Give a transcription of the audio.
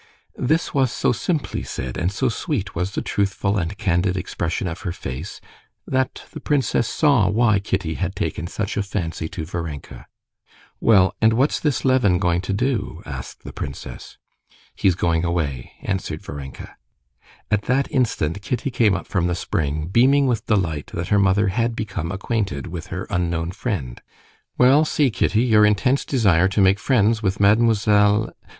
This was so simply said, and so sweet was the truthful and candid expression of her face, that the princess saw why Kitty had taken such a fancy to Varenka. "Well, and what's this Levin going to do?" asked the princess. "He's going away," answered Varenka. At that instant Kitty came up from the spring beaming with delight that her mother had become acquainted with her unknown friend. "Well, see, Kitty, your intense desire to make friends with Mademoiselle...."